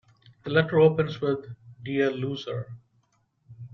The letter opens with "Dear Loser".